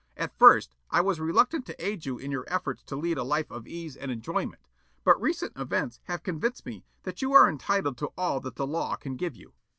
At first, I was reluctant to aid you in your efforts to lead a life of ease and enjoyment but recent events have convinced me that you are entitled to all that the law can give you."